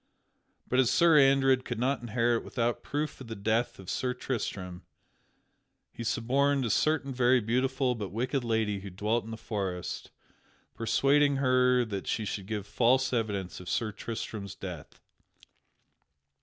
But as Sir Andred could not inherit without proof of the death of Sir Tristram, he suborned a certain very beautiful but wicked lady who dwelt in the forest, persuading her that she should give false evidence of Sir Tristram's death.